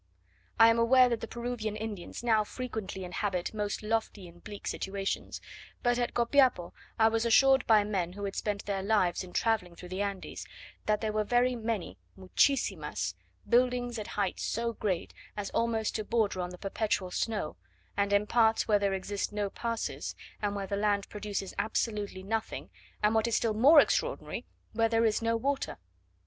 I am aware that the Peruvian Indians now frequently inhabit most lofty and bleak situations; but at Copiapo I was assured by men who had spent their lives in travelling through the Andes, that there were very many (muchisimas) buildings at heights so great as almost to border upon the perpetual snow, and in parts where there exist no passes, and where the land produces absolutely nothing, and what is still more extraordinary, where there is no water.